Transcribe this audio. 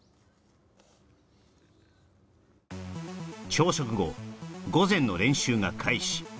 朝食後午前の練習が開始